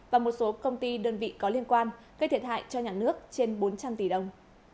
và một số công ty đơn vị có liên quan gây thiệt hại cho nhà nước trên bốn trăm linh tỷ đồng